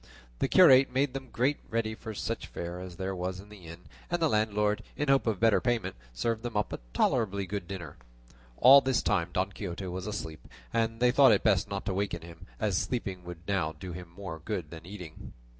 The curate made them get ready such fare as there was in the inn, and the landlord, in hope of better payment, served them up a tolerably good dinner. All this time Don Quixote was asleep, and they thought it best not to waken him, as sleeping would now do him more good than eating.